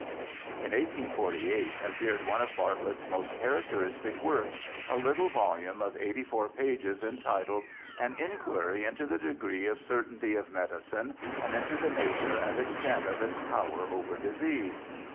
In 1848 appeared one of Bartlett's most characteristic works, a little volume of eighty four pages, entitled. An Inquiry into the Degree of Certainty of Medicine^ and into the Nature and Extent of its Power over Disease.